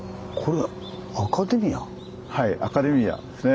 はいアカデミアですね。